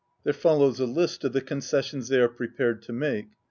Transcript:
There follows a list of the conces sions they are prepared to make.